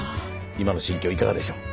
今の心境いかがでしょう？